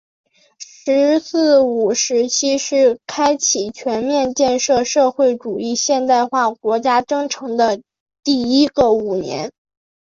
“十四五”时期是开启全面建设社会主义现代化国家新征程的第一个五年。